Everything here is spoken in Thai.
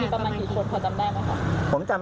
โยนเต็มโยนเต็มโยนเต็ม